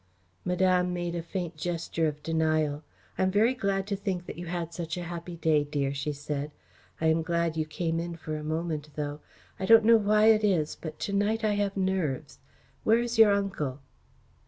Madame made a faint gesture of denial. "I am very glad to think that you had such a happy day, dear," she said. "I am glad you came in for a moment, though. I don't know why it is, but to night I have nerves. Where is your uncle?"